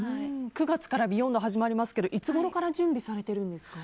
９月から「ＢＥＹＯＮＤ」始まりますけどいつごろから準備されているんですか？